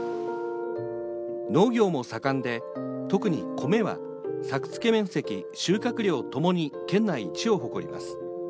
農業も盛んで、特に米は作付面積収穫量ともに県内一を誇ります。